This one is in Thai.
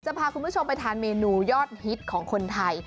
พาคุณผู้ชมไปทานเมนูยอดฮิตของคนไทย